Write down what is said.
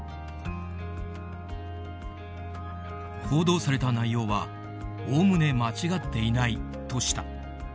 報道された内容はおおむね間違っていないとした。